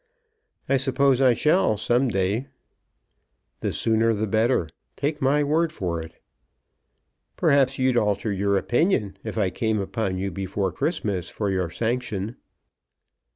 "I suppose I shall some day." "The sooner the better. Take my word for it." "Perhaps you'd alter your opinion if I came upon you before Christmas for your sanction."